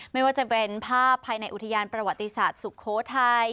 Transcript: ไม่ว่าจะเป็นภาพภายในอุทยานประวัติศาสตร์สุโขทัย